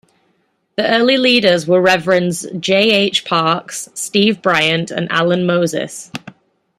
The early leaders were Reverends J. H. Parks, Steve Bryant and Allen Moses.